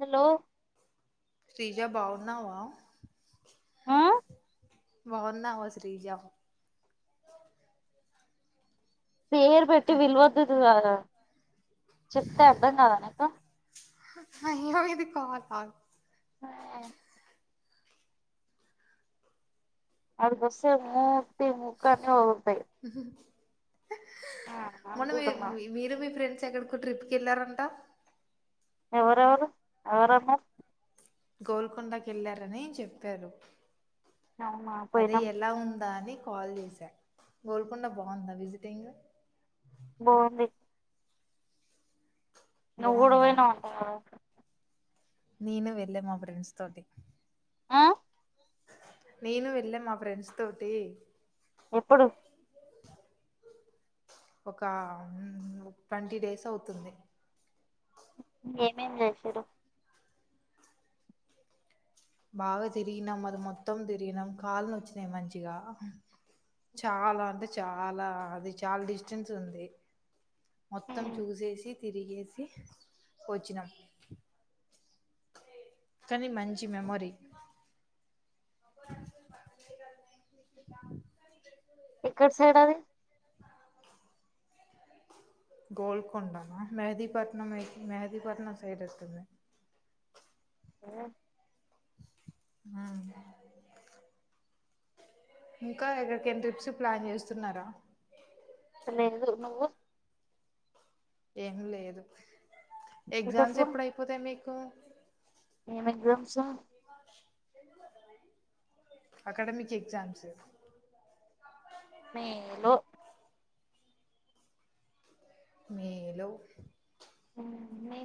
Hello Sreeja బాగున్నావా ఆ బాగున్నావా శ్రీజ పేరు పెట్టి హ విలువద్దుదు కదా చెప్తే అర్ధం కదా అక్క అయ్యో ఇది కాల్ కాదు అయ్యో అడిగి వస్తే మూతి ముక్కు అన్ని పగులుతాయి మొన్న మిర్ అనుకుంటున్నా మీరు మీ ఫ్రెండ్స్ ఎక్కడికో ట్రిప్కి వెళ్లారంట ఎవరెవరు ఎవరన్నారు గోల్కొండకి వెళ్లారని చెప్పారు అవునా అదే పోయినాం ఎలా ఉందా అని కాల్ చేసా కోల్కుండా బాగుందా విజిటింగ్ బాంది నువ్వుడు బాగుందా పోనా ఉంటా నేను వెళ్ళా మా ఫ్రెండ్స్ తోటి ఆ నేను వెళ్ళా మా ఫ్రెండ్స్ తోటి ఎప్పుడు ఒక ట్వంటీ డేస్ అవుతుంది ఏమేం చేశారు బాగా తిరిగినం అది మొత్తం తిరిగినం కాళ్ళను వచ్చినాయి మంచిగా చాలా అంటే చాలా అది చాలా డిస్టెన్స్ ఉంది మొత్తం ఉమ్, చూసేసి తిరిగేసి వచ్చినాం కానీ మంచి మెమొరీ ఇక్కడ సైడ్ది గోల్కొండనా మెహదీపట్నంై మెహదీపట్నం సైడ్ ఎతుంది ఆ ఆ ఇంకా ఎక్కడికైనా ట్రిప్స్ ప్లాన్ చేస్తున్నారా అ లేదు నువ్వు ఏం లేదు ఎగ్జామ్స్ ఎక్కట్లో ఎప్పుడయిపోతాయి మీకు ఏం ఎగ్జామ్స్ తె అకాడమిక్ ఎగ్జామ్స్ మలో మేలో ఉ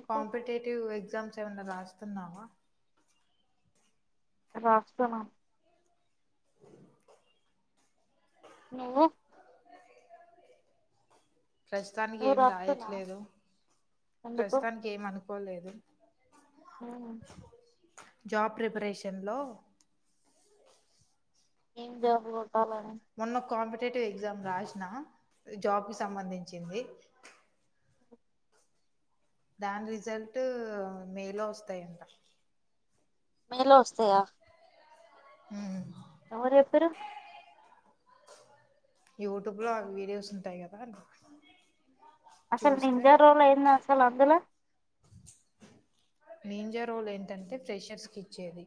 కాంపిటేటివ్ ఎగ్జామ్స్ ఏమనా రాస్తున్నావా రాస్తునా నువ్ ప్రస్తుతానికి నువ్వు ఏం రాస్తున్నావా రాయట్లేదు ఎందుకు ప్రస్తుతానికి ఏమి అనుకోలేదు ఆ జాబ్ ప్రిపరేషన్ లో ఏంద కాల మొన్న కాంపిటేటివ్ ఎగ్జామ్ రాసిన జాబ్ కి సంబంధించింది దాని రిజల్ట్ మే లో వస్తాయంట మేలో వస్తాయా హ ఎ ఏప్పురు యూట్యూబ్ లో వీడియోస్ ఉంటాయి కదా అసలు చూస్తే నింజరోలు అయింది అసలు అందులో [inaudible] మేంజా రోల్ ఏంటంటే ప్రెషర్స్ క ఇచ్చేది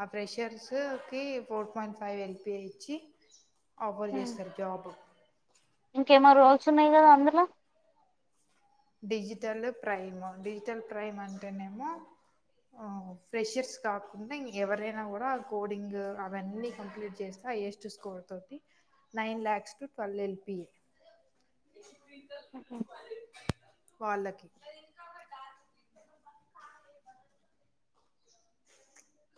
ఆ ప్రెషర్స్ కి ఫోర్ ప ఫ్ వెల్పి ఇచ్చి ఆఫర్ చేస్తారు జాబ్ ఇంకేమో రోల్స్ ఉన్నాయి కదా అందులో డిజిటల్ ప్రైమ్ డిజిటల్ ప్రైమ్ అంటేనేమో ఆ ఫ్రెషర్స్ కాకుండా ఎవరైనా కూడా కోడింగ్ అవన్నీ కంప్లీట్ చేస్తారు హైయెస్ట్ స్కర్ తతి nine lakhs to twelve LPA ఆహ పాలకి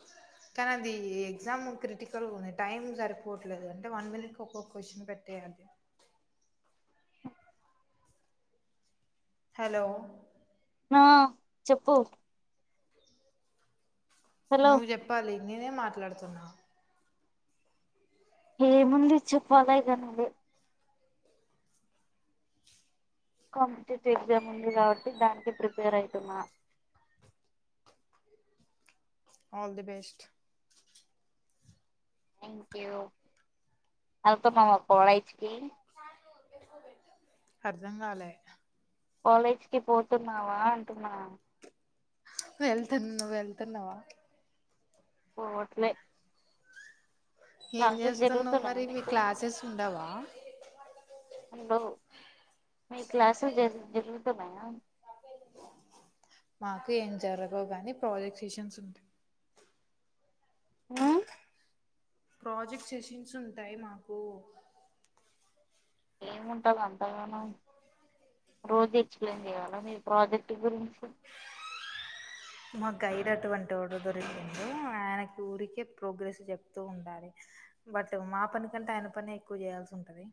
[inaudible] కానీ అది ఎగ్జామ్ క్రిటికల్ ఉంది టైమ్ సరిపోవట్లేదు అంటే వన్ మినిట్ ఒక్కొక్క క్వశ్చన్ పెట్టే అదే హలో ఆ చెప్పు హలో నువ్వు చెప్పాలి నేనే మాట్లాడుతున్నా ఏముంది చెప్పాలా ఇగ నువ్వే కాంపిటేటివ్ ఎగ్జామ్ ఉంది కాబట్టి దానికి prepare అయితున్న [inaudible] all the best thank you పోతున్వ కోలేజ్కి అర్ధం కాలే కాలేజ్ కి పోతున్నావా అంటున్నా వెళ్తున్నా నువ్వు వెళ్తున్నావా పోవట్లే ఏం క్లాసెస్ చేస్తున్నావు జరుగుతున్నాయా మరి మీ మీకు క్లాసెస్ ఉండవా ఉండవు మి క్లాసెస్ జ జరురుతుమయాయా మాకు ఏం జరగవు గాని ప్రాజెక్టేషన్స్ ఉంటాయి. ఆ ప్రాజెక్ట్ సెషన్స్ ఉంటాయి మాకు ఏముంటంది అంతగానం రోజు ఎక్స్ప్లెయిన్ చేయాలా మీ ప్రాజెక్ట్ గురించి మా గైడ్ అటువంటి వోడు దొరికిండు ఆయనకి ఊరికే ప్రోగ్రెస్ చెప్తూ ఉండాలి బట్ మా పని కంటే ఆయన పని ఎక్కువ చేయాల్సి ఉంటది